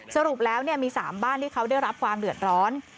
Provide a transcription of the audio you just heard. สรุปแล้วมี๓บ้านที่เขาได้รับความเดือดร้อน